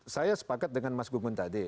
saya sepakat dengan mas gung gun tadi